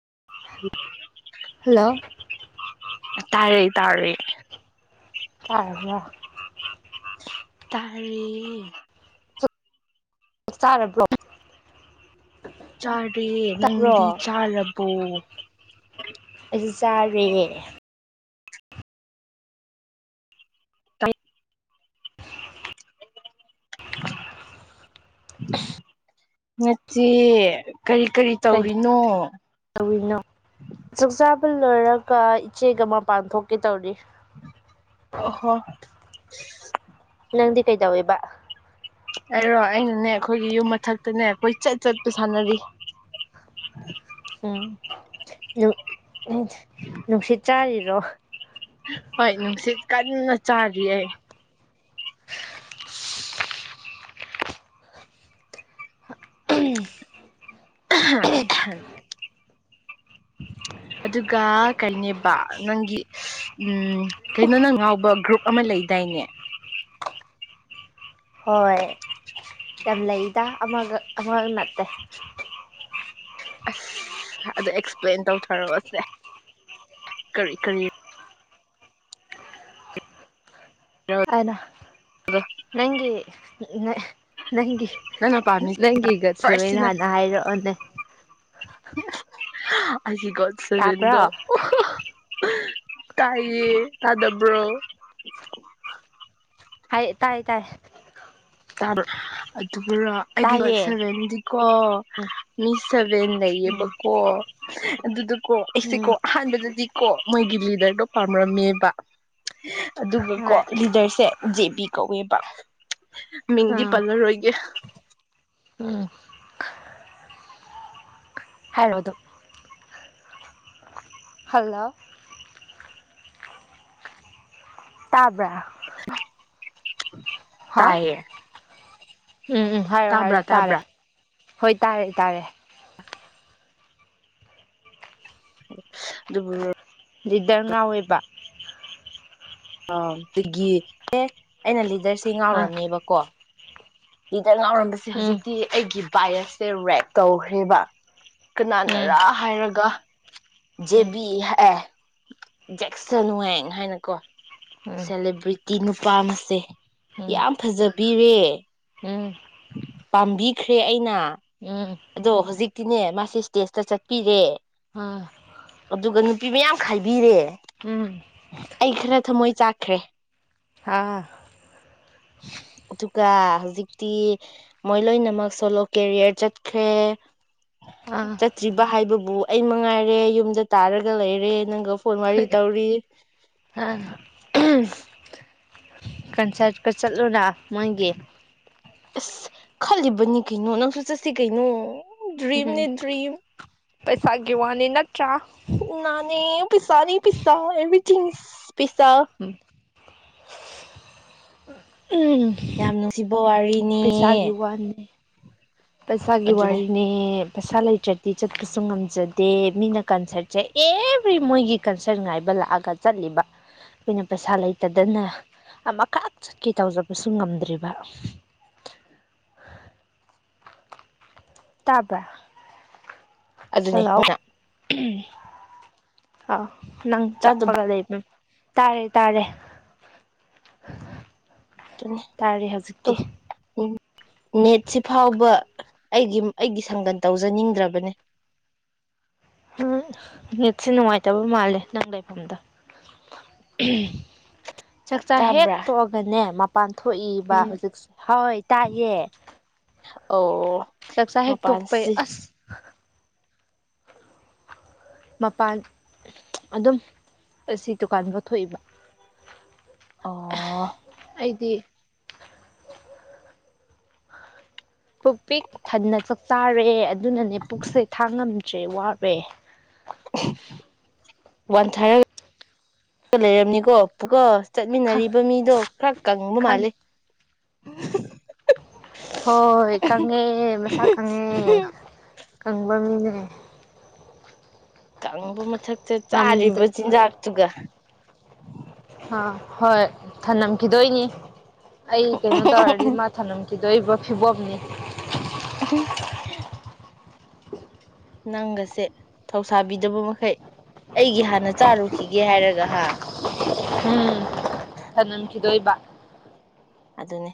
[unintelligible] Hello ꯇꯥꯔꯦ ꯇꯥꯔꯦ ꯇꯥꯔꯕ ꯇꯥꯔꯦ꯫ ꯆꯥꯛ ꯆꯥꯔꯕ꯭ꯔꯣ꯫ ꯆꯥꯔꯦ ꯇꯥꯕ꯭ꯔꯣ ꯅꯪꯗꯤ ꯆꯥꯔꯕꯣ꯫ ꯑꯩꯖꯨ ꯆꯥꯔꯤꯌꯦ ꯇꯥꯏ [unintelligible] ꯅꯠꯇꯦ꯫ ꯀꯔꯤ-ꯀꯔꯤ ꯇꯧꯔꯤꯅꯣ꯫ ꯀꯩꯗꯧꯔꯤꯅꯣ ꯆꯥꯛ ꯆꯥꯕ ꯂꯣꯏꯔꯒ ꯏꯆꯦꯛ ꯑꯃ ꯄꯥꯟꯊꯣꯛꯀꯦ ꯇꯧꯔꯤ ꯑꯣ ꯍꯣ [inaudible] ꯅꯪꯗꯤ ꯀꯩꯗꯧꯋꯦꯕ ꯑꯩꯔꯣ ꯑꯩꯅꯅꯦ ꯑꯩꯈꯣꯏꯒꯤ ꯌꯨꯝ ꯃꯊꯛꯇꯅꯦ ꯑꯩꯈꯣꯏ ꯆꯠ ꯆꯠꯄ ꯁꯥꯟꯅꯔꯤ ꯎꯝ ꯌ ꯅꯨꯡꯁꯤꯠ ꯆꯥꯔꯤꯕ [inaudible] ꯍꯣꯏ ꯅꯨꯡꯁꯤꯠ ꯀꯟꯅ ꯆꯥꯔꯤꯑ ꯎ [inaudible] ꯑꯗꯨꯒꯥ ꯀꯔꯤꯅꯦ ꯕ ꯅꯪꯒꯤ ꯎꯝ ꯀꯩꯅꯣ ꯅꯪ ꯉꯥꯎꯕ ꯒ꯭ꯔꯨꯞ ꯑꯃ ꯂꯩꯗꯥꯏꯅꯦ ꯍꯣꯏ, ꯌꯥꯝ ꯂꯩꯗꯥ ꯑꯃꯒ ꯑꯃꯒ ꯅꯠꯇꯦ꯫ ꯑꯁ ꯑꯗꯨ ꯑꯦꯛꯁꯄ꯭ꯂꯦꯟ ꯇꯧꯊꯔꯛꯑꯣꯁꯦ ꯀꯔꯤ ꯀꯔꯤ ꯑꯅ ꯅꯪꯒꯤ [inaudible] ꯅꯦ ꯅꯪꯒꯤ ꯅꯪꯅ ꯄꯥꯝꯃꯤ ꯅꯪꯒꯤꯒꯠꯆꯕꯩꯅ ꯐꯥꯔꯁꯁꯤꯅ ꯍꯥꯟꯅ ꯍꯥꯏꯔꯛꯑꯣꯅꯦ꯫ ꯑꯥꯖꯤ ꯒꯣꯠ ꯁꯦꯚꯦꯟꯗꯣ ꯇꯥꯕ꯭ꯔꯣ [unintelligible] ꯇꯥꯏꯌꯦ ꯇꯥꯗꯕ꯭ꯔꯣ ꯍꯥꯏ ꯇꯥꯏ ꯇꯥꯏ ꯇꯥ ꯑꯗꯨꯒꯔ ꯑꯩꯒꯤ ꯄꯠ ꯇꯥꯏꯌꯦ ꯁꯚꯦꯟꯗꯤꯀꯣ ꯎꯝ ꯃꯤ ꯁꯚꯦꯟ ꯎꯝ ꯂꯩꯌꯦꯕꯀꯣ ꯑꯗꯨꯗ ꯀꯣ ꯑꯩꯁꯦ ꯎꯝ ꯀꯣ ꯑꯍꯥꯟꯕꯗꯗꯤ ꯀꯣ ꯃꯣꯏꯒꯤ ꯂꯤꯗꯔꯒ ꯄꯥꯝꯔꯝꯃꯦꯕ ꯑꯗꯨꯒ ꯀꯣ ꯍꯣꯏ ꯂꯤꯗꯔꯁꯦ ꯖꯦ ꯄꯤ ꯀꯧꯋꯦꯕ [inaudible] ꯃꯤꯡꯗꯤ ꯑꯥ ꯄꯜꯂꯔꯣꯏꯒꯦ ꯎꯝ ꯍꯜꯗ ꯍꯜꯂꯣ ꯇꯥꯕ [inaudible] [inaudible] ꯇꯌꯦ ꯎꯝ ꯎꯝ ꯍꯥꯏꯔꯣ ꯍꯥꯏꯔꯣ ꯇꯥꯔꯦ ꯍꯣꯏ ꯇꯥꯔꯦ ꯇꯥꯔꯦ ꯑꯗꯨꯕꯨ ꯗꯤꯗꯔꯃꯥ ꯑꯣꯏꯕ ꯑꯗꯒꯤ ꯑꯦ ꯑꯩꯅ ꯐꯥꯗꯔꯁꯦ ꯑꯥ ꯉꯥꯎꯔꯝꯃꯦꯕꯀꯣ ꯉꯥꯎꯔꯝꯕꯁꯦ ꯎꯝ ꯍꯧꯖꯤꯛꯇꯤ ꯑꯩꯒꯤ ꯄꯥꯏꯔꯁꯦ ꯔꯦꯛ ꯇꯧꯈ꯭ꯔꯦꯕ ꯎꯝ ꯀꯅꯥꯅꯔꯥ ꯍꯥꯏꯔꯒ ꯎꯝ ꯖꯦꯕꯤ ꯍꯑꯦ ꯖꯦꯛꯁꯟ ꯋꯦꯡ ꯍꯥꯏꯅꯀꯣ ꯁꯦꯂꯤꯦꯕ꯭ꯔꯤ ꯀꯤ ꯅꯨꯄꯥ ꯑꯃꯁꯦ ꯎꯝ ꯌꯥꯝ ꯐꯖꯕꯤꯔꯦ ꯎꯝ ꯄꯥꯝꯕꯤꯈ꯭ꯔꯦ ꯑꯩꯅ ꯎꯝ ꯑꯗꯣ ꯍꯧꯖꯤꯛꯇꯤꯅꯦ ꯃꯥꯁꯦ ꯏꯁꯇꯦꯖꯇ ꯆꯠꯄꯤꯔꯦ ꯎꯝ ꯑꯥ ꯑꯗꯨꯒꯅꯤ ꯅꯨꯄꯤ ꯃꯌꯥꯝ ꯈꯥꯏꯕꯤꯔꯦ ꯎꯝ ꯑꯩ ꯈꯔ ꯊ ꯃꯣꯏ ꯆꯥꯛꯈ꯭ꯔꯦ ꯍꯥꯥ ꯑꯗꯨꯒ ꯍꯧꯖꯤꯛꯇꯤ ꯃꯣꯏ ꯂꯣꯏꯅꯃꯛ ꯁꯦ ꯂꯣꯀꯦꯔꯤꯌꯔ ꯆꯠ ꯈꯦ ꯑꯥ ꯆꯠꯇ꯭ꯔꯤꯕ ꯍꯥꯏꯕꯕꯨ ꯑꯩ ꯃꯉꯥꯏꯔꯦ ꯌꯨꯝꯗ ꯇꯥꯔꯒ ꯂꯩꯔꯦ ꯅꯪꯒ ꯐꯣꯟ ꯋꯥꯔꯤ ꯇꯧꯔꯤ ꯀꯟꯁ꯭ꯔꯠꯀ ꯆꯠꯂꯨꯨꯔ ꯃꯥꯡꯒꯤ ꯑꯁ ꯈꯜꯂꯤꯕꯅꯤ ꯀꯩꯅꯣ ꯅꯪꯁꯨ ꯆꯠꯁꯤ ꯀꯩꯅꯣ ꯗ꯭ꯔꯤꯝꯅꯦ ꯎꯝ ꯗ꯭ꯔꯤꯝ ꯄꯩꯁꯥꯒꯤ ꯋꯥꯅꯦ ꯅꯠ ꯅꯅꯦ ꯄꯁꯥ ꯄꯁꯥ ꯑꯦꯕꯤ ꯆꯖ ꯄꯤꯁꯥ ꯎ ꯌꯥꯝ ꯅꯨꯡꯁꯤꯕ ꯋꯥꯔꯤ ꯄꯩꯁꯥꯒꯤ ꯋꯥꯅꯤ ꯎ ꯄꯩꯁꯥꯒꯤ ꯑꯗꯨꯅꯤ ꯋꯥꯔꯤꯅꯤ ꯄꯩꯁꯥ ꯂꯩꯇ꯭ꯔꯗꯤ ꯆꯠꯄꯁꯨ ꯉꯝꯖꯗꯦ ꯃꯤꯅ ꯀꯟꯁꯔꯠꯁꯦ ꯑꯦꯕ꯭ꯔꯤ ꯃꯣꯏꯒꯤ ꯀꯟꯁꯔꯠ ꯉꯥꯏꯕ ꯂꯥꯛꯑꯒ ꯆꯠꯂꯤꯕ ꯑꯩꯈꯣꯏꯅ ꯄꯩꯁꯥ ꯂꯩꯇꯗꯅ ꯑꯃꯈꯛ ꯆꯠꯀꯦ ꯇꯧꯖꯕꯁꯨ ꯉꯝꯗ꯭ꯔꯤꯕ ꯇꯥꯕ ꯑꯗꯨꯅꯤ ꯍꯜꯂꯣ ꯑꯥ ꯅꯪ ꯇꯥꯗꯕ ꯆꯄꯒꯗꯩ ꯇꯥꯔꯦ ꯇꯥꯔꯦ ꯑꯗꯨꯅꯤ ꯇꯥꯔꯦ ꯇꯣ ꯍꯧꯖꯤꯛꯇꯤ ꯅꯦꯠꯁꯤ ꯐꯥꯎꯕ ꯑꯩꯒꯤ ꯑꯩꯒꯤ ꯁꯪꯒꯟ ꯇꯧꯖꯅꯤꯡꯗ꯭ꯔꯕꯅꯦ ꯅꯤꯠꯁꯦ ꯅꯨꯡꯉꯥꯏꯇꯕ ꯃꯥꯜꯂꯦ ꯅꯪ ꯂꯩꯐꯝꯗ ꯆꯥꯛꯆꯥ ꯍꯦꯛ ꯇꯥꯕ꯭ꯔꯥ ꯇꯣꯛꯑꯒꯅꯦ ꯃꯄꯥꯟ ꯊꯣꯛꯏꯕ ꯎꯝ ꯍꯧꯖꯤꯛꯁꯦ ꯍꯣꯏ ꯇꯥꯏꯑꯦ ꯑꯣ ꯆꯥꯛꯆꯥ ꯍꯦꯛꯛꯇꯣꯛꯄꯩ ꯃꯄꯥꯟꯁꯤ ꯑꯁ ꯃꯄꯥꯟ ꯑꯗꯨꯝ ꯑꯁꯤ ꯗꯨꯀꯥꯟ ꯂꯧꯊꯣꯛꯏꯕ ꯑ ꯄꯨꯛ ꯄꯤꯛ ꯊꯟꯅ ꯆꯥꯛ ꯆꯥꯔꯛꯑꯦ ꯑꯗꯨꯅꯅꯦ ꯄꯨꯛꯁꯦ ꯊꯥꯡꯉꯝꯅꯤ ꯎꯆꯦ ꯋꯥꯋꯦ ꯋꯥꯟ ꯊꯥꯏꯔꯒ ꯂꯩꯔꯝꯅꯤꯀꯣ ꯄꯨꯀ ꯆꯠꯃꯤꯟꯅꯔꯤꯕ ꯃꯤꯗꯣ ꯈꯔ ꯀꯪꯕ ꯈꯪ ꯃꯥꯂꯦ ꯎ ꯍꯣꯏ ꯀꯪꯉꯦ ꯃꯁꯥ ꯀꯪꯉꯦ ꯀꯪꯕ ꯃꯤꯅꯦ ꯑ ꯀꯝꯕ ꯃꯆꯥ ꯉꯝꯗꯦ ꯆꯥꯔꯤꯕ ꯆꯤꯟꯖꯥꯛꯇꯨꯒ ꯑ ꯍꯣꯏ ꯊꯝꯂꯝꯝꯈꯤꯗꯣꯏꯅꯤ ꯑꯩ ꯀꯩꯅꯣ ꯇꯧꯔꯗꯤ ꯃꯥ ꯊꯝꯈꯤ ꯀꯤꯗꯣꯔꯤꯕ ꯐꯤꯕꯣꯝꯅꯤ ꯎꯝ ꯅꯪꯒꯁꯦ ꯊꯧꯁꯥꯕꯤꯗꯕ ꯃꯈꯩ ꯑꯩꯒꯤ ꯍꯥꯟꯅ ꯆꯥꯔꯨꯈꯤꯒꯦ ꯍꯥꯏꯔꯒ ꯍꯥ ꯐꯅꯝ ꯀꯗꯣ ꯏꯕ ꯑꯗꯨꯅꯤ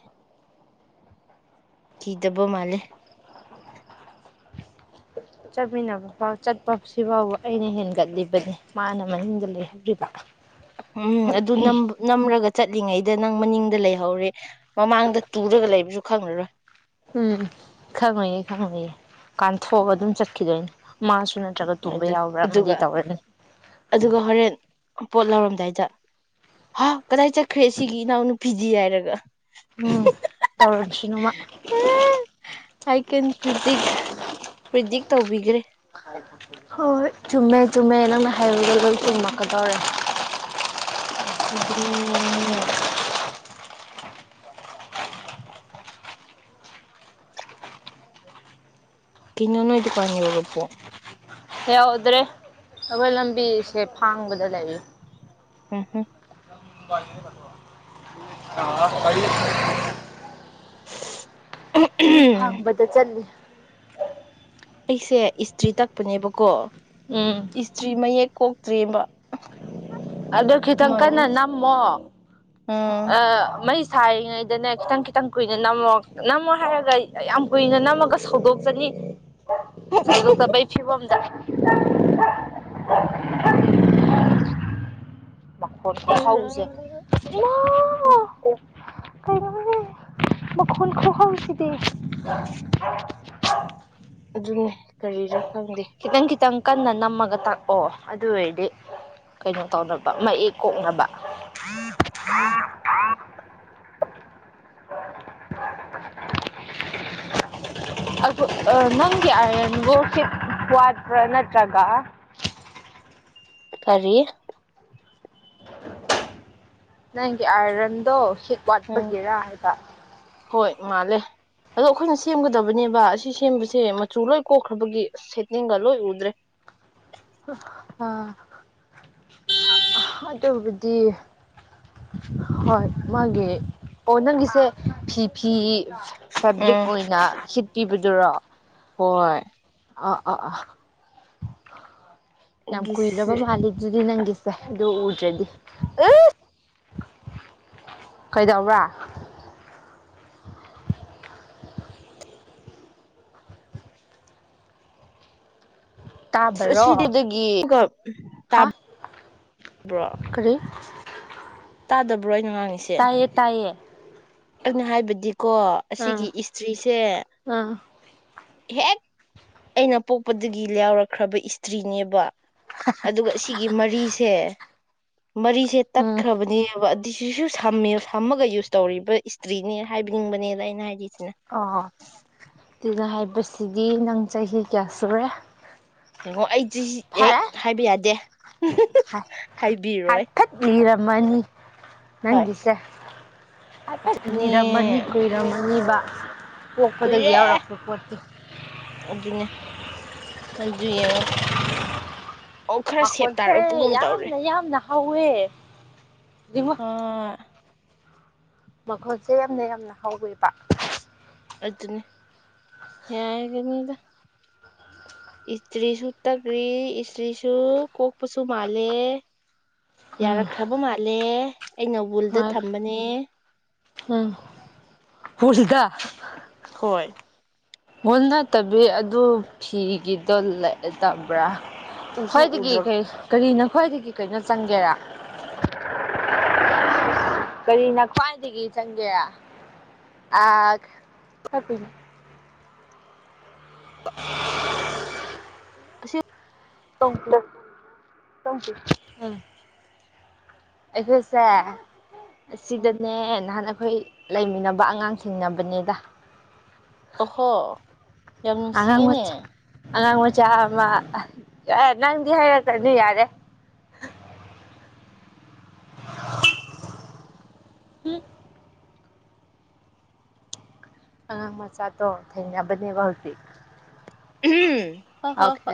ꯀꯤꯗꯕꯣ ꯃꯥꯂꯦ ꯆꯠꯃꯤꯟꯅꯕ ꯐꯥꯎ ꯆꯠꯄ ꯁꯤꯐꯥꯎꯕ ꯑꯩꯅ ꯍꯦꯟꯒꯠꯂꯤꯕꯅꯦ ꯃꯥꯅ ꯃꯃꯤꯡꯗ ꯂꯩꯍꯧ꯭ꯔꯤꯕ ꯎꯝ ꯑꯗꯨ ꯅ ꯅꯝ꯭ꯔꯒ ꯆꯠꯂꯤꯉꯩꯗ ꯅꯪ ꯃꯅꯤꯡꯗ ꯂꯩꯍꯧꯔꯦ ꯃꯃꯥꯡꯗ ꯇꯨꯔꯒ ꯂꯩꯕꯁꯨ ꯈꯪꯅꯔꯣꯏ ꯎꯝ ꯈꯪꯉꯌꯦ ꯈꯪꯉꯌꯦ ꯀꯥꯟꯊꯣꯛꯑꯒ ꯑꯗꯨꯝ ꯆꯠꯈꯤꯗꯣꯏꯅꯦ ꯃꯥ ꯑꯗꯨꯒ ꯑꯗꯨꯒ ꯍꯣꯔꯦꯟ ꯄꯣꯠ ꯂꯧꯥꯎꯔꯝꯗꯥꯏꯗ ꯍꯥ ꯀꯗꯥꯏ ꯆꯠꯈ꯭ꯔꯦ ꯁꯤꯒꯤ ꯅꯅ ꯐꯤꯗꯤ ꯍꯥꯏꯔꯒ ꯎꯝ ꯇꯧꯔꯝꯁꯤ ꯅꯣꯡꯃ ꯑꯥꯏ ꯀꯦꯟ ꯄ꯭ꯔꯤꯗꯤꯛ ꯄ꯭ꯔꯤꯗꯤꯛ ꯇꯧꯕꯤꯈ꯭ꯔꯦ ꯍꯣꯏꯣꯏ ꯆꯨꯝꯃꯦ ꯆꯨꯝꯃꯦ ꯅꯪꯅ ꯍꯥꯏꯔꯨꯗ ꯂꯣꯏ ꯆꯨꯝꯃꯛꯀꯗꯧꯔꯦ ꯑꯗꯨꯅꯤ ꯀꯩꯅꯣꯅꯗꯨꯀꯥꯅꯤꯡꯔꯕ ꯄꯣ ꯌꯥꯎꯗ꯭ꯔꯦ ꯑꯩꯈꯣꯏ ꯂꯝꯕꯤꯁꯦ ꯐꯥꯡꯕꯗ ꯂꯩꯔꯤ ꯍꯝ ꯍꯝ [unintelligible] [unintelligible] ꯃꯤ ꯐꯝꯕꯗ ꯆꯜꯂꯤꯠ ꯑꯩꯁꯦ ꯏꯁꯇ꯭ꯔꯤ ꯇꯛꯄꯅꯦꯕꯀꯣ ꯎꯝ ꯏꯁꯇ꯭ꯔꯤ ꯃ ꯌꯦꯣ ꯇ꯭ꯔꯤꯕ ꯑꯗꯨꯗ ꯀꯈꯤꯇꯪ ꯀꯅꯥ ꯅꯃꯣ ꯑꯥ ꯑ ꯃꯁ ꯁꯥꯔꯤꯉꯩꯗꯅ ꯈꯤꯇꯪ ꯈꯤꯇꯪ ꯀꯨꯏꯅ ꯅꯝꯃꯣ ꯅꯝꯃꯣ ꯍꯥꯏꯔꯒ ꯌꯥꯝ ꯀꯨꯏꯅ ꯅꯝꯃꯒ ꯁꯧꯗꯣꯛꯆꯅꯤ ꯁꯖꯣꯛ ꯄꯩ ꯐꯤꯕꯝ [inaudible] [inaudible] [inaudible] ꯃ ꯃꯈ ꯈꯔ ꯍꯥꯎꯁꯦ ꯀꯩꯅ ꯃ ꯈꯣꯜ ꯈꯣ ꯍꯥꯎꯁꯤꯗ ꯑꯗꯨꯅꯦ ꯀꯔꯤꯔ ꯈꯪꯗꯦ ꯈꯤꯇꯪ ꯈꯤꯇꯪ ꯀꯟꯅ ꯅꯝꯃꯒ ꯇꯥꯛꯄꯑꯣ ꯑꯗꯨ ꯑꯣꯏꯔꯗꯤ ꯀꯩꯅꯣ ꯇꯧꯅꯕ ꯃꯌꯦꯛ ꯀꯣꯛꯅꯕ ꯑ ꯍꯥꯥ ꯑꯗꫭ ꯅꯪꯒꯤ ꯑꯥꯏꯟꯒꯣꯔꯁꯤ ꯋꯥꯠꯄ꯭ꯔꯥ ꯅꯠꯇ꯭ꯔꯒ ꯀꯔꯤ꯫ ꯅꯪ ꯑꯥꯏꯔꯟꯗꯣ ꯍꯤꯠ ꯎꯝ ꯋꯥꯠꯄꯒꯤꯔ ꯍꯥꯏꯕ꯫ ꯍꯣꯏ ꯃꯥꯜꯂꯦ ꯑꯗꯣ ꯑꯩꯈꯣꯏꯅ ꯁꯦꯝꯒꯗꯕꯅꯦꯕ ꯑꯁꯤ ꯁꯦꯝꯕꯁꯦ ꯃꯆꯨ ꯂꯣꯏ ꯀꯣꯛꯈ꯭ꯔꯕꯒꯤ ꯁꯦꯠꯅꯤꯡꯒ ꯂꯣꯏ ꯎꯗ꯭ꯔꯦ꯫ ꯑ ꯑꯗꯨꯕꯨꯗꯤ ꯍꯣꯏ ꯃꯥꯒꯤ ꯑꯣ ꯅꯪꯒꯤꯁꯦ ꯐꯤ ꯐꯤ ꯐꯦꯕ꯭ꯔꯤꯛ ꯎꯝ ꯑꯣꯏꯅ ꯁꯤꯠ ꯄꯤꯕꯗꯨꯔꯣ꯫ ꯍꯣꯏ꯫ ꯑꯥ ꯑꯥ ꯑꯥ ꯌꯥꯝ ꯀꯨꯏꯂꯕ ꯒꯤꯁꯦ ꯃꯥꯂꯤꯗꯨꯗꯤ ꯅꯪꯒꯤ ꯁꯦ ꯑꯗꯨ ꯎꯗ꯭ꯔꯗꯤ ꯀꯩꯗꯧꯕ꯭ꯔꯥ꯫ ꯇꯥꯕꯔꯣ ꯍꯥ [unintelligible] ꯇꯥꯗꯕ꯭ꯔꯣ ꯏ꯫ ꯇꯥꯏꯌꯦ-ꯇꯥꯏꯌꯦ꯫ ꯑꯩꯅ ꯍꯥꯏꯕꯗꯤꯀꯣ ꯑꯁꯤꯒꯤ ꯏꯁꯇ꯭ꯔꯤꯁꯦ ꯎꯝ ꯍꯦꯛ ꯑꯩꯅ ꯄꯣꯛꯄꯗꯒꯤ ꯂꯌꯥꯎꯔꯛꯈ꯭ꯔꯕ ꯏꯁꯇ꯭ꯔꯤꯅꯦꯕ꯫ ꯑꯗꯨꯒ ꯁꯤꯒꯤ ꯃꯔꯤꯁꯦ ꯃꯔꯤꯁꯦ ꯎꯝ ꯇꯠꯈ꯭ꯔꯕꯅꯦꯕ꯫ ꯇꯤꯁꯤꯁꯨ ꯁꯝꯃꯦ ꯁꯝꯃꯒ ꯌꯨꯁ ꯇꯧꯔꯤꯕ ꯏꯁꯇ꯭ꯔꯤꯅꯦ ꯍꯥꯏꯕꯤꯅꯤꯡꯕꯅꯦꯗ ꯑꯩꯅ ꯍꯥꯏꯗꯤ꯫ ꯑꯣ [inaudible] ꯍꯥꯏꯕꯁ ꯁꯤꯗꯤ ꯅꯪ ꯆꯍꯤ ꯀꯌꯥ ꯁꯨꯔꯦ ꯌꯦꯡꯉꯣ ꯑꯩꯗꯤ ꯍꯦꯛ ꯐꯔꯦ ꯍꯥꯏꯕ ꯌꯥꯗꯦ꯫ ꯍꯥꯏ ꯍꯥꯏꯕꯤꯔꯣꯏ ꯍꯥꯏꯊꯠꯂꯤꯔꯝ ꯃꯅꯤ꯫ ꯍꯣꯏ ꯅꯪꯒꯤꯁꯦ [inaudible] ꯑꯗꯨꯅꯦ ꯂꯤꯔꯝꯃꯅꯤ ꯀꯨꯏꯔꯝꯃꯅꯤꯕꯥ꯫ ꯄꯣꯛꯄꯗꯒꯤ ꯀꯨꯏꯔꯦ ꯌꯥꯎꯔꯛꯄ ꯄꯣꯠꯇꯨ ꯑꯗꯨꯅꯦ ꯑꯗꯨ ꯌꯦꯡꯑꫭ ꯃꯈꯣꯟꯁꯦ ꯌꯥꯝꯅ ꯌꯥꯝꯅ ꯍꯧꯋꯦ ꯌꯦꯡꯉꯣ ꯑꯥ ꯃꯈꯣꯟꯁꯦ ꯌꯥꯝꯅ-ꯌꯥꯝꯅ ꯍꯥꯎꯋꯦꯕ꯫ ꯑꯗꯨꯅꯦ ꯌꯥꯏ ꯀꯅꯤꯗ꯫ ꯏꯁꯇ꯭ꯔꯤꯁꯨ ꯇꯛꯔꯤ ꯏꯁꯇ꯭ꯔꯤꯁꯨ ꯀꯣꯛꯄꯁꯨ ꯃꯥꯜꯂꯦ꯫ ꯎꯝ ꯌꯥꯔꯛꯈ꯭ꯔꯕ ꯃꯥꯜꯂꯦ ꯑꯩ ꯅꯕꯨꯜꯗ ꯍꯣꯏ ꯊꯝꯕꯅꯦ ꯍꯨꯁꯤꯀ ꯍꯣꯏ ꯍꯣꯏ ꯅꯠꯇꯕꯤ ꯑꯗꯨ ꯐꯤꯒꯤꯗꯣ ꯂꯩꯑꯗꯕ꯭ꯔꯥ ꯎꯁꯨ ꯍꯣꯏ ꯆꯀꯤ ꯎꯗ꯭ꯔ ꯀꯩ ꯀꯔꯤꯅ ꯈ꯭ꯋꯥꯏꯗꯒꯤ ꯀꯩꯅꯣ ꯆꯪꯒꯦꯔꯥ ꯀꯔꯤꯅ ꯈ꯭ꯋꯥꯏꯗꯒꯤ ꯆꯪꯒꯦꯔꯥꯄꯤ [inaudible] ꯑꯁꯤꯦ ꯎꯝ ꯑꯩꯈꯣꯏꯁꯦ ꯎꯝ ꯑꯁꯤꯗꯅꯦ ꯅꯍꯥꯟ ꯑꯩꯈꯣꯏ ꯂꯩꯃꯤꯟꯅꯕ ꯑꯉꯥꯡꯁꯤꯡꯅꯕꯅꯤꯗ ꯑꯍꯣ ꯌꯥꯝ ꯑꯉꯥꯡ ꯅꯨꯡꯁꯤꯌꯦꯅꯦ ꯃꯆꯥ ꯑꯉꯥꯡ ꯃꯆꯥ ꯑꯃ ꯅꯪꯗꯤ ꯍꯥꯏꯔꯛꯇꯅꯤ ꯌꯥꯔꯦ ꯎꯝ ꯑ ꯃꯆꯥꯥ ꯇ ꯊꯩꯅꯕꯅꯤ ꯋꯥꯥꯎꯇ ꯎꯝ ꯍ ꯍꯣ ꯍꯣ